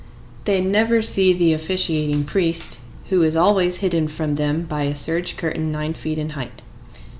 They never see the officiating priest, who is always hidden from them by a serge curtain nine feet in height.